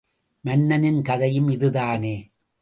மன்னனின் கதையும் இதுதானே?